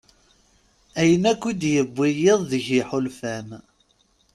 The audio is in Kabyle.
Ayen akk i d-yewwi yiḍ deg yiḥulfan.